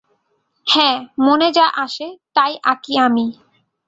হ্যাঁ, মনে যা আসে, তাই আঁকি আমি।